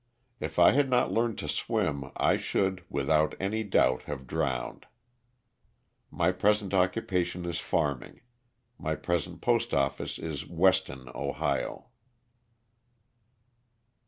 If I had not learned to swim I should, without any doubt, have drowned. My present occupation is farming. My present post office is Weston, Ohio.